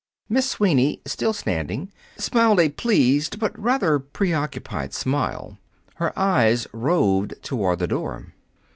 Miss Sweeney, still standing, smiled a pleased but rather preoccupied smile. Her eyes roved toward the door.